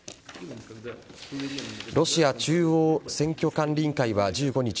ロシア中央選挙管理委員会は１５日